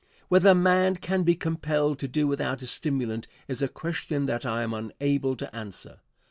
Whether man can be compelled to do without a stimulant is a question that I am unable to answer.